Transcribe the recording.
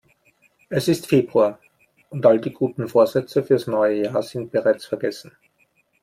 Es ist Februar und all die guten Vorsätze fürs neue Jahr sind bereits vergessen.